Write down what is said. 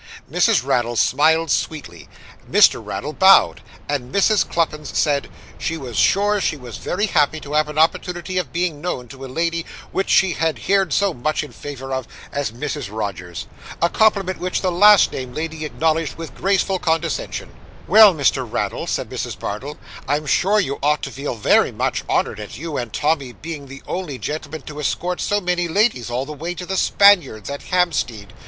Mrs. Raddle smiled sweetly, Mr. Raddle bowed, and Mrs. Cluppins said, 'she was sure she was very happy to have an opportunity of being known to a lady which she had heerd so much in favour of, as Mrs. Rogers.' A compliment which the last named lady acknowledged with graceful condescension. 'Well, Mr. Raddle,' said Mrs. Bardell; 'I'm sure you ought to feel very much honoured at you and Tommy being the only gentlemen to escort so many ladies all the way to the Spaniards, at Hampstead.